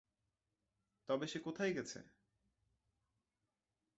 তবে সে কোথায় গেছে।